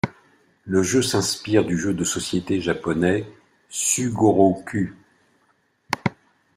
Le jeu s'inspire du jeu de société japonais Sugoroku.